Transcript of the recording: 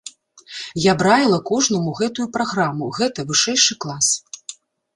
Я б раіла кожнаму гэтую праграму, гэта вышэйшы клас.